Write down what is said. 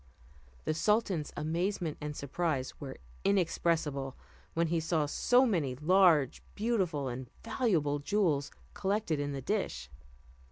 The sultan's amazement and surprise were inexpressible, when he saw so many large, beautiful and valuable jewels collected in the dish.